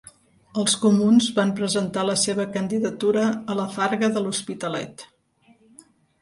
Els comuns van presentar la seva candidatura a la Farga de l'Hospitalet.